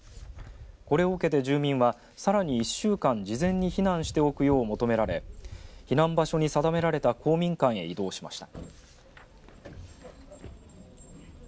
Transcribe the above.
これを受けて住民はさらに１週間事前に避難しておくよう求められ避難場所に定められた公民館へ移動しました。